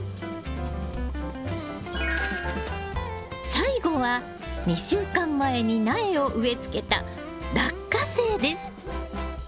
最後は２週間前に苗を植えつけたラッカセイです。